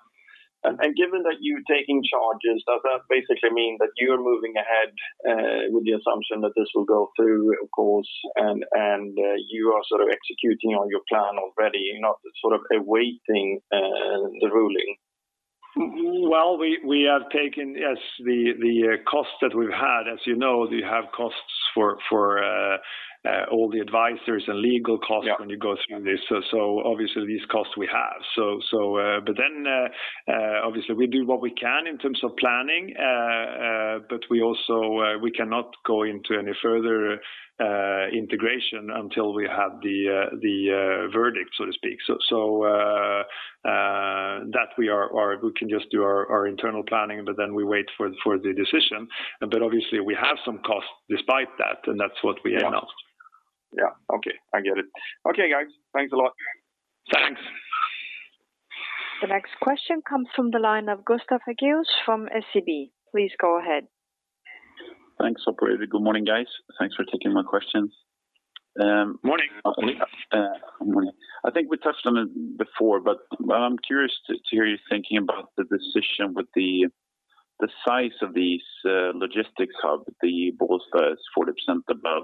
Given that you're taking charges, does that basically mean that you're moving ahead with the assumption that this will go through, of course, and you are also executing on your plan already, you're not sort of awaiting the ruling? Well, we have taken, yes, the cost that we've had. As you know, you have costs for all the advisors and legal costs when you go through this. Obviously these costs we have. Obviously, we do what we can in terms of planning, but we cannot go into any further integration until we have the verdict, so to speak. We can just do our internal planning, we wait for the decision. Obviously we have some costs despite that, and that's what we announced. Yeah. Okay, I get it. Okay, guys, thanks a lot. Thanks. The next question comes from the line of Gustav Hagéus from SEB. Please go ahead. Thanks, operator. Good morning, guys. Thanks for taking my questions. Morning. Morning. I think we touched on it before, but I'm curious to hear you thinking about the decision with the size of these logistics hub, the Bålsta is 40% above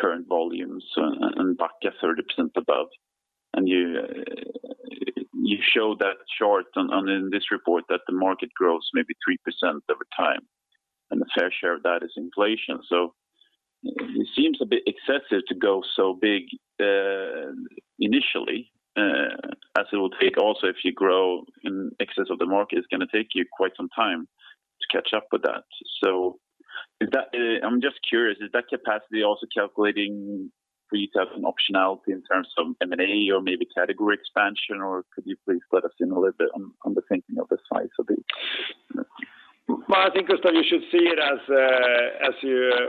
current volumes and Backa 30% above. You show that chart and in this report that the market grows maybe 3% over time, and a fair share of that is inflation. It seems a bit excessive to go so big initially, as it will take also if you grow in excess of the market, it's going to take you quite some time to catch up with that. I'm just curious, is that capacity also calculating for you to have an optionality in terms of M&A or maybe category expansion, or could you please let us in a little bit on the thinking of the size of it? I think, Gustav, you should see it as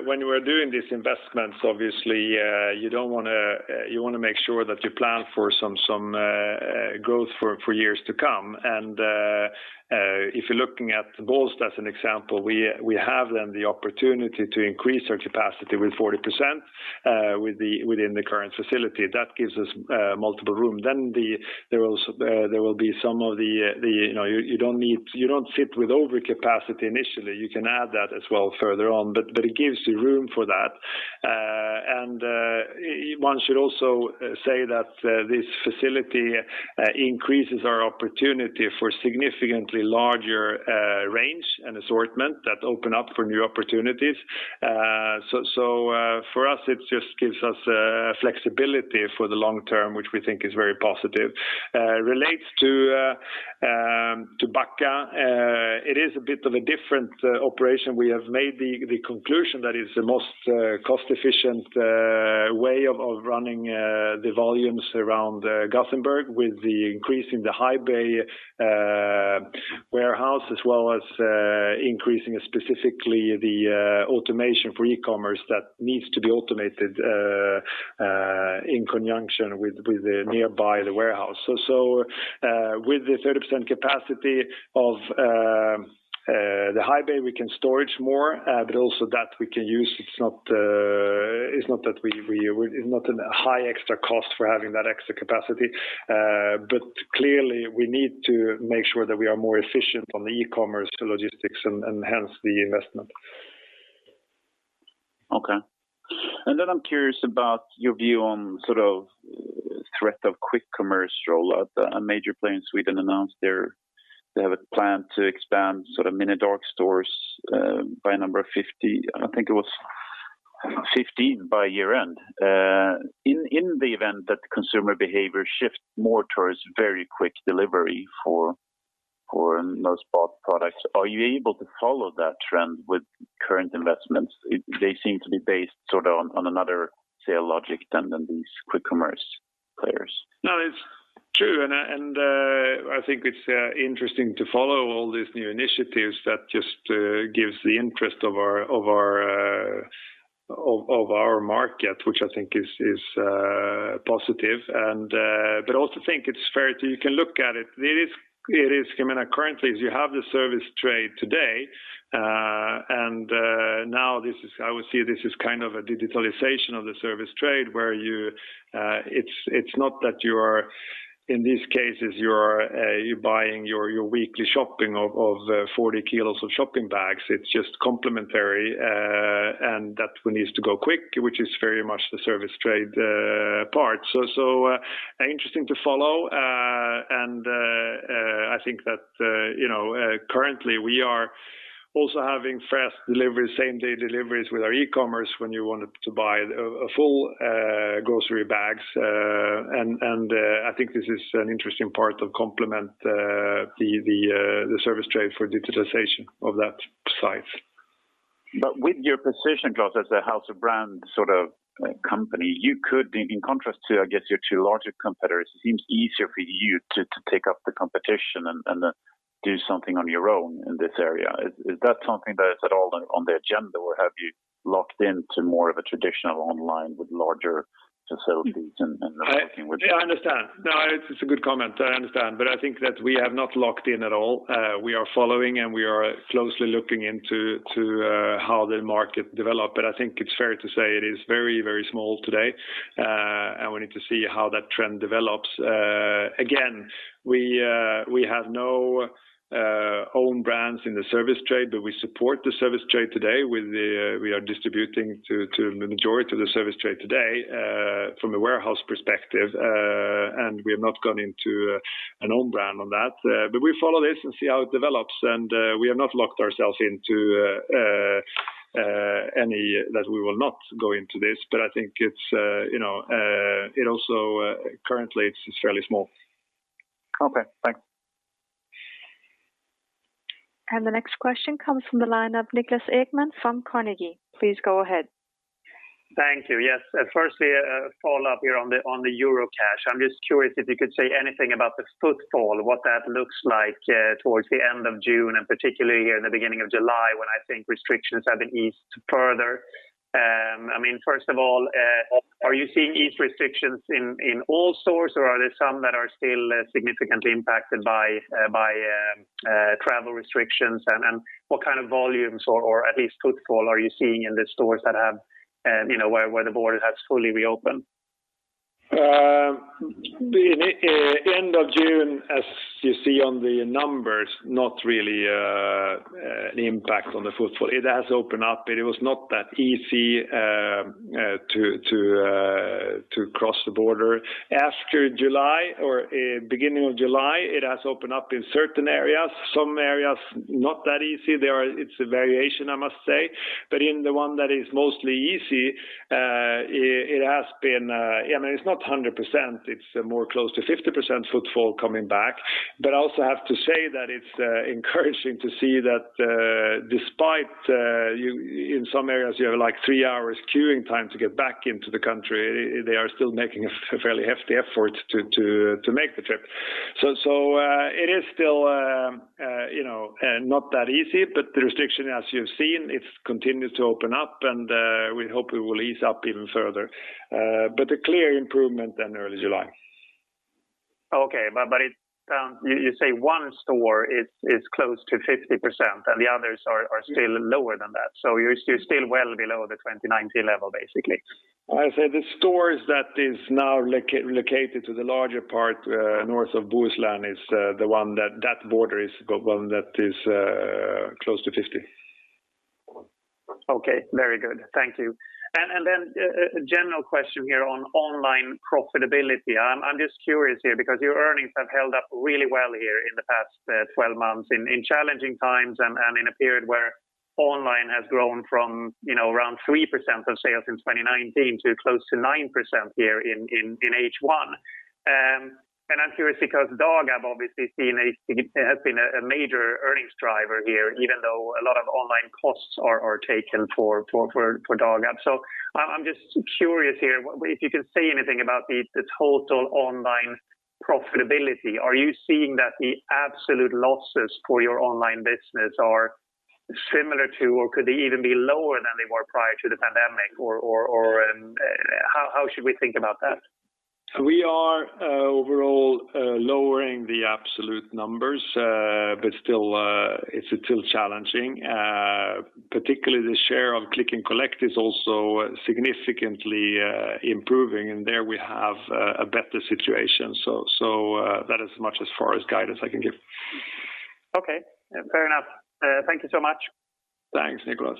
when you are doing these investments, obviously, you want to make sure that you plan for some growth for years to come. If you're looking at Bålsta as an example, we have then the opportunity to increase our capacity with 40% within the current facility. That gives us multiple room. You don't sit with overcapacity initially. You can add that as well further on, but it gives you room for that. One should also say that this facility increases our opportunity for significantly larger range and assortment that open up for new opportunities. For us, it just gives us flexibility for the long term, which we think is very positive. Relates to perishables, it is a bit of a different operation. We have made the conclusion that it's the most cost-efficient way of running the volumes around Gothenburg with the increase in the high-bay warehouse, as well as increasing specifically the automation for e-commerce that needs to be automated in conjunction with the nearby warehouse. With the 30% capacity of the high-bay, we can store more, but also that we can use. It's not a high extra cost for having that extra capacity. Clearly we need to make sure that we are more efficient on the e-commerce logistics and hence the investment. Okay. Then I'm curious about your view on threat of quick commerce roll out. A major player in Sweden announced they have a plan to expand mini dark stores by a number 15 by year-end. In the event that consumer behavior shifts more towards very quick delivery for most bought products, are you able to follow that trend with current investments? They seem to be based on another sale logic than these quick commerce players. No, it's true, and I think it's interesting to follow all these new initiatives that just gives the interest of our market, which I think is positive. Also think it's fair, you can look at it. It is, Ximena, currently, if you have the service trade today, and now I would say this is a digitalization of the service trade where it's not that, in these cases, you're buying your weekly shopping of 40 kilos of shopping bags. It's just complementary, and that one needs to go quick, which is very much the service trade part. Interesting to follow, and I think that currently we are also having fast deliveries, same-day deliveries with our e-commerce when you wanted to buy full grocery bags. I think this is an interesting part to complement the service trade for digitalization of that side. With your position, Jonas, as a house of brand company, you could be in contrast to, I guess, your two larger competitors. It seems easier for you to take up the competition and do something on your own in this area. Is that something that is at all on the agenda, or have you locked into more of a traditional online with larger facilities? I understand. No, it's a good comment. I understand, but I think that we have not locked in at all. We are following, and we are closely looking into how the market develop. I think it's fair to say it is very, very small today, and we need to see how that trend develops. Again, we have no own brands in the service trade, but we support the service trade today. We are distributing to the majority of the service trade today from a warehouse perspective, and we have not gone into an own brand on that. We follow this and see how it develops, and we have not locked ourselves into any that we will not go into this. I think currently it's fairly small. Okay, thanks. The next question comes from the line of Niklas Ekman from Carnegie. Please go ahead. Thank you. Yes. Firstly, a follow-up here on the Eurocash. I'm just curious if you could say anything about the footfall, what that looks like towards the end of June, and particularly in the beginning of July, when I think restrictions have eased further. First of all, are you seeing eased restrictions in all stores, or are there some that are still significantly impacted by travel restrictions? And what kind of volumes or at least footfall are you seeing in the stores where the border has fully reopened? The end of June, as you see on the numbers, not really an impact on the footfall. It has opened up, it was not that easy to cross the border. After July or beginning of July, it has opened up in certain areas. Some areas, not that easy. It's a variation, I must say. In the one that is mostly easy, it's not 100%, it's more close to 50% footfall coming back. I also have to say that it's encouraging to see that despite in some areas you have three hours queuing time to get back into the country, they are still making a fairly hefty effort to make the trip. It is still not that easy, but the restriction, as you have seen, it continues to open up, and we hope it will ease up even further. A clear improvement than early July. Okay. You say one store is close to 50%, and the others are still lower than that. You're still well below the 2019 level, basically. I said the stores that is now located to the larger part north of Bohuslän, that border is the one that is close to 50. Okay. Very good. Thank you. Then a general question here on online profitability. I'm just curious here, because your earnings have held up really well here in the past 12 months in challenging times and in a period where online has grown from around 3% of sales in 2019 to close to 9% here in H1. I'm curious because Dagab obviously has been a major earnings driver here, even though a lot of online costs are taken for Dagab. I'm just curious here if you could say anything about the total online profitability. Are you seeing that the absolute losses for your online business are Similar to, or could they even be lower than they were prior to the pandemic? How should we think about that? We are overall lowering the absolute numbers. It's still challenging. Particularly the share of click and collect is also significantly improving. There we have a better situation. That is as much as far as guidance I can give. Okay, fair enough. Thank you so much. Thanks, Niklas.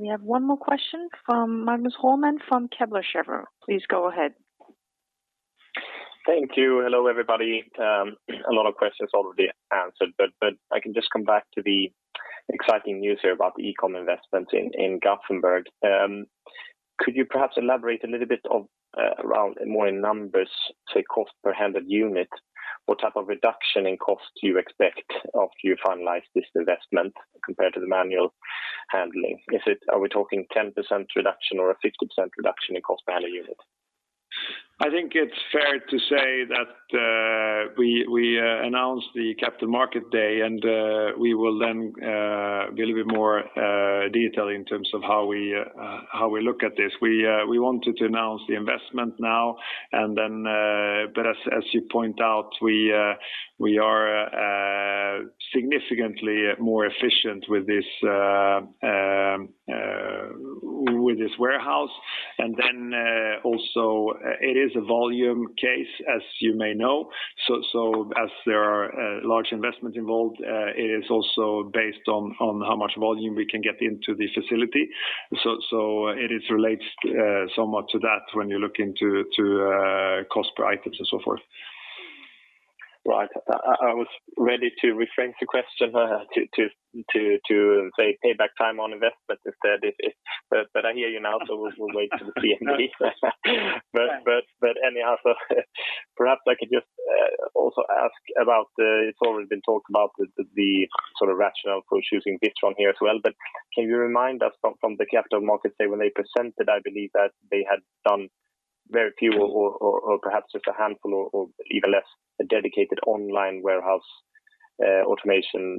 We have one more question from Magnus Råman from Kepler Cheuvreux. Please go ahead. Thank you. Hello, everybody. A lot of questions already answered, I can just come back to the exciting news here about the e-com investment in Gothenburg. Could you perhaps elaborate a little bit around more numbers, say, cost per handled unit? What type of reduction in cost do you expect after you finalize this investment compared to the manual handling? Are we talking a 10% reduction or a 50% reduction in cost per unit? I think it's fair to say that we announced the Capital Markets Day, and we will then give a bit more detail in terms of how we look at this. We wanted to announce the investment now. As you point out, we are significantly more efficient with this warehouse. Also, it is a volume case, as you may know. As there are large investments involved, it is also based on how much volume we can get into this facility. It is related somewhat to that when you look into cost per items and so forth. Right. I was ready to reframe the question to say payback time on investment instead. I hear you now, so we'll wait for the CMD. Anyway, perhaps I could just also ask about, it's already been talked about, the sort of rationale for choosing Witron here as well. Can you remind us from the Capital Markets Day when they presented, I believe that they had done very few or perhaps just a handful or even less dedicated online warehouse automation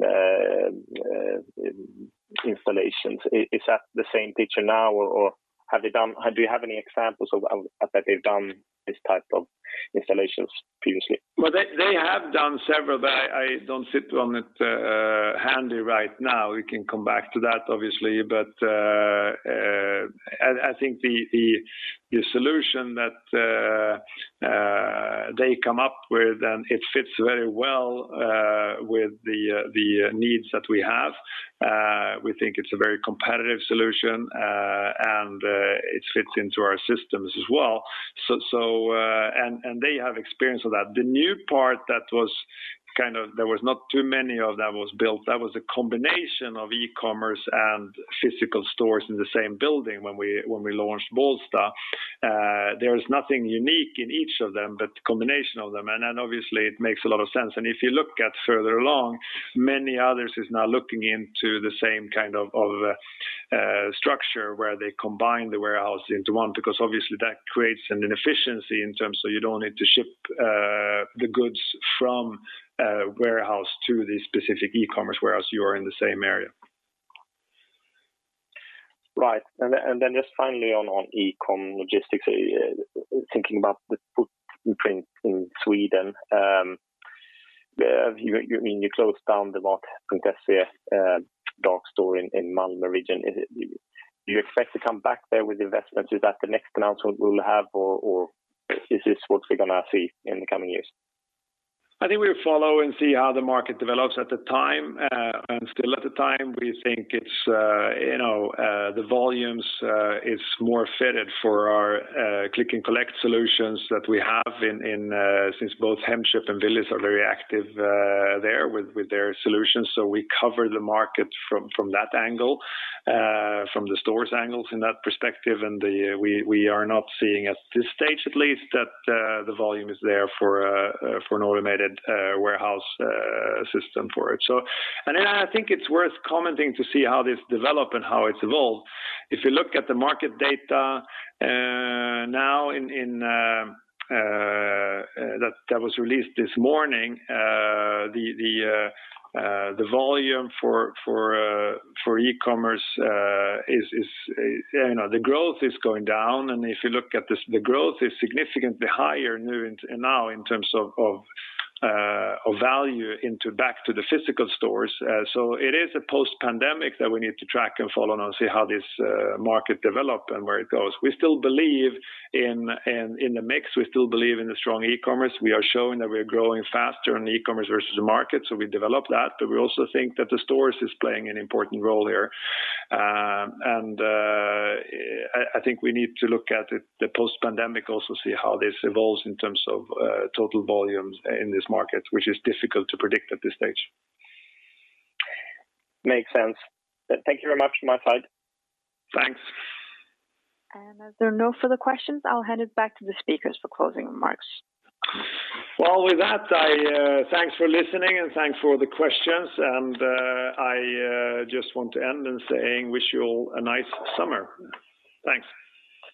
installations. Is that the same picture now, or do you have any examples of that they've done these type of installations previously? Well, they have done several, I don't have it handy right now. We can come back to that, obviously. I think the solution that they came up with, and it fits very well with the needs that we have. We think it's a very competitive solution, and it fits into our systems as well. They have experience with that. The new part that was kind of, there was not too many of them was built. That was a combination of e-commerce and physical stores in the same building when we launched Bålsta. There's nothing unique in each of them, combination of them, then obviously it makes a lot of sense. If you look at further along, many others are now looking into the same kind of structure where they combine the warehouse into one, because obviously that creates an efficiency in terms so you don't need to ship the goods from a warehouse to the specific e-commerce warehouse, you are in the same area. Right. Just finally on e-com logistics, thinking about the footprint in Sweden. You closed down the Mat.se dark store in Malmö region. Do you expect to come back there with investment? Is that the next announcement we will have, or is this what we are going to see in the coming years? I think we'll follow and see how the market develops at the time. Still at the time, we think the volumes is more fitted for our click and collect solutions that we have since both Hemköp and Willys are very active there with their solutions. We cover the market from that angle, from the stores angle, from that perspective, and we are not seeing at this stage at least that the volume is there for an automated warehouse system for it. I think it's worth commenting to see how this develop and how it evolves. If you look at the market data now that was released this morning, the volume for e-commerce, the growth is going down, and if you look at this, the growth is significantly higher now in terms of value back to the physical stores. It is a post-pandemic that we need to track and follow and see how this market develops and where it goes. We still believe in the mix. We still believe in the strong e-commerce. We are showing that we're growing faster in e-commerce versus the market, so we develop that. We also think that the stores is playing an important role here. I think we need to look at it the post-pandemic also see how this evolves in terms of total volumes in this market, which is difficult to predict at this stage. Makes sense. Thank you very much, from my side. Thanks. As there are no further questions, I'll hand it back to the speakers for closing remarks. Well, with that, thanks for listening and thanks for all the questions. I just want to end in saying wish you all a nice summer. Thanks.